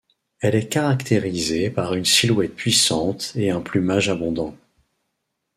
Elle est caractérisée par une silhouette puissante et un plumage abondant.